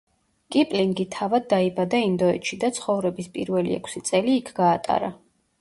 კიპლინგი თავად დაიბადა ინდოეთში და ცხოვრების პირველი ექვსი წელი იქ გაატარა.